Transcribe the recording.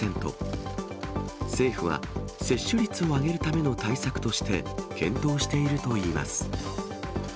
政府は接種率を上げるための対策として、検討しているといいます。